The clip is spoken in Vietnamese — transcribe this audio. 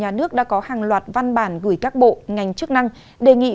hãy nhớ like share và đăng ký kênh của chúng mình nhé